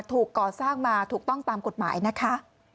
ถูกก่อสร้างมาถูกต้องตามกฎหมายนะคะ